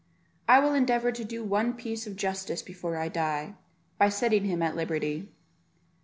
I will endeavour to do one piece of justice before I die, by setting him at liberty."